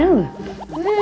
jadi pelancong karena